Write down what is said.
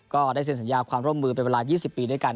ก็ได้เซ็นสัญญาความร่วมมือเป็นเวลา๒๐ปีด้วยกัน